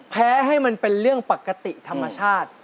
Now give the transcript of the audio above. ให้มันเป็นเรื่องปกติธรรมชาติ